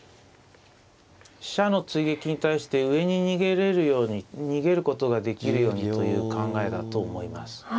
飛車の追撃に対して上に逃げることができるようにという考えだと思います。